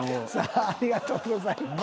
ありがとうございます。